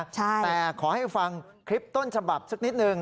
แต่ขอให้ฟังคลิปต้นฉบับสักนิดนึง